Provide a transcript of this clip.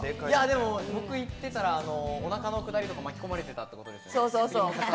僕行ってたら、お腹のくだりとか巻き込まれてたってことですよね。